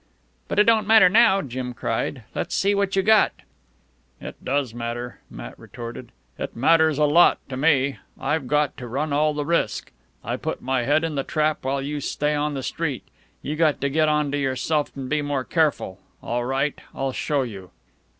"But it don't matter now," Jim cried. "Let's see what you got." "It does matter," Matt retorted. "It matters a lot ... to me. I've got to run all the risk. I put my head in the trap while you stay on the street. You got to get on to yourself an' be more careful. All right, I'll show you."